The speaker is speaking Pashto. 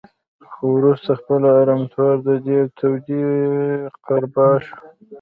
خو وروسته خپله امپراتور د دې توطیې قربا شو